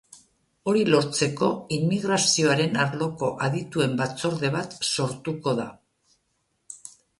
Hori lortzeko, immigrazioaren arloko adituen batzorde bat sortuko da.